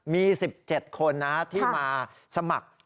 มี๑๗คนที่มาสมัคร